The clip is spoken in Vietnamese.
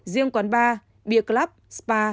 riêng quán bar beer club spa